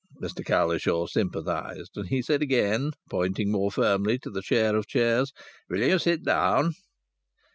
Mr Cowlishaw sympathized, and he said again, pointing more firmly to the chair of chairs, "Will you sit down?"